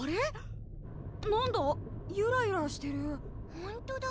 ほんとだ！